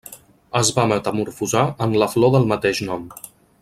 Es va metamorfosar en la flor del mateix nom.